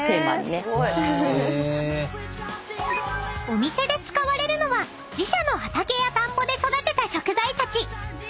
［お店で使われるのは自社の畑や田んぼで育てた食材たち］